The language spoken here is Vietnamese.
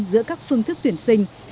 giữa các phương thức tuyển sinh